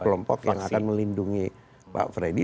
kelompok yang akan melindungi pak freddy